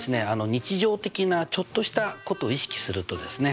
日常的なちょっとしたことを意識するとですね